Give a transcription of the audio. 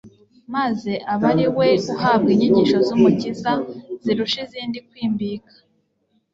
maze aba ari we uhabwa inyigisho z'Umukiza zirusha izindi kwimbika.